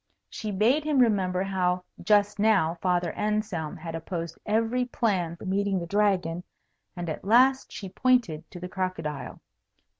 She bade him remember how just now Father Anselm had opposed every plan for meeting the Dragon, and at last she pointed to the crocodile.